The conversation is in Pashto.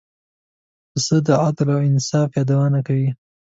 پسه د عدل او انصاف یادونه کوي.